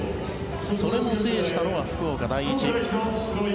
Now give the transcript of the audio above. それも制したのは福岡第一。